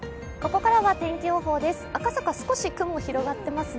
ここからは天気予報です。